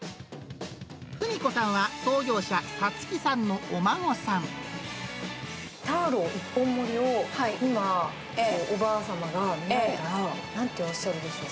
史子さんは創業者、ターロー一本盛りを今、おばあさまが見たら、なんておっしゃるでしょう。